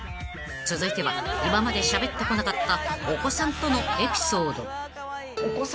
［続いては今までしゃべってこなかったお子さんとのエピソード］